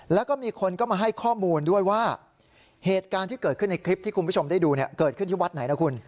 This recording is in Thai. แล้วก็มีคนก็มาให้ข้อมูลด้วยว่าเหตุการณ์ที่เกิดขึ้นในคลิปที่คุณผู้ชมได้ดูเนี่ยเกิดขึ้นที่วัดไหนนะคุณ